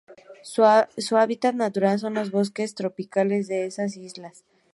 Su hábitat natural son los bosques tropicales de estas islas.